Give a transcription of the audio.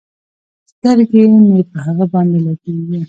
سترګې مې په هغه باندې لګېږي.